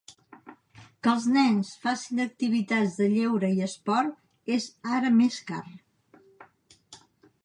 Que els nens facin activitats de lleure i esport és ara més car.